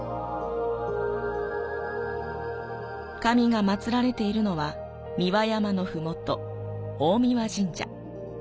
神が祀られているのは三輪山のふもと、大神神社。